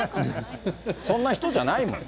そんな人じゃないもん。